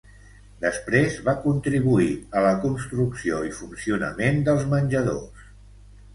Després va contribuir a la construcció i funcionament dels menjadors.